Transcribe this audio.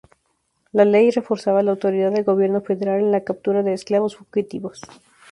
La ley reforzaba la autoridad del gobierno federal en la captura de esclavos fugitivos.